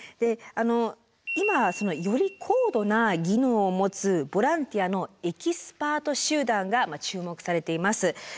今より高度な技能を持つボランティアのエキスパート集団が注目されています。